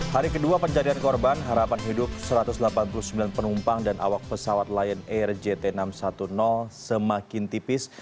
hari kedua pencarian korban harapan hidup satu ratus delapan puluh sembilan penumpang dan awak pesawat lion air jt enam ratus sepuluh semakin tipis